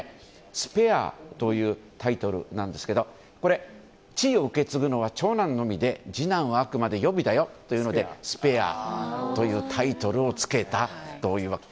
「スペア」というタイトルなんですけどこれ地位を受け継ぐのは長男のみで次男はあくまで予備だよというので「スペア」というタイトルをつけたというわけ。